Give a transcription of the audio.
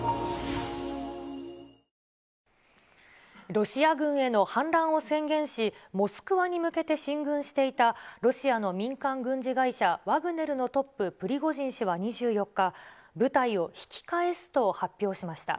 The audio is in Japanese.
ロシア軍への反乱を宣言し、モスクワに向けて進軍していた、ロシアの民間軍事会社、ワグネルのトップ、プリゴジン氏は２４日、部隊を引き返すと発表しました。